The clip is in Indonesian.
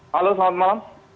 halo selamat malam